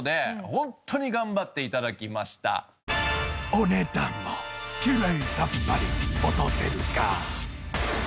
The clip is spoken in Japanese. お値段もきれいさっぱり落とせるか？